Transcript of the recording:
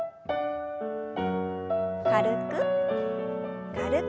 軽く軽く。